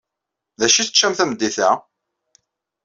D acu ay teččam tameddit-a?